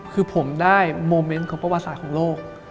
คือผมได้โมเมนต์ของประวัติศาสตร์ของโลก